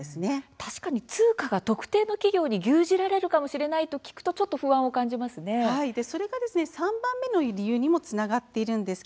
確かに通貨が特定の企業に牛耳られるかもしれないと聞くとそれが３番目の理由にもつながっています。